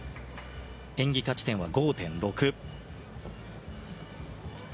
演技価値点は５．６。